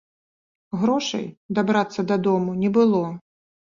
Грошай дабрацца дадому не было.